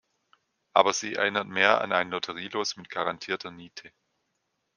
Aber sie erinnert mehr an ein Lotterielos mit garantierter Niete.